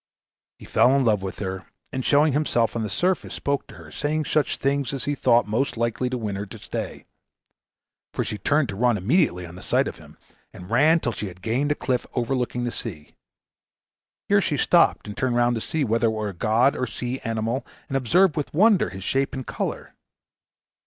He fell in love with her, and showing himself on the surface, spoke to her, saying such things as he thought most likely to win her to stay; for she turned to run immediately on the sight of him, and ran till she had gained a cliff overlooking the sea. Here she stopped and turned round to see whether it was a god or a sea animal, and observed with wonder his shape and color.